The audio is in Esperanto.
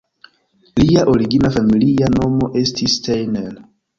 Lia origina familia nomo estis Steiner.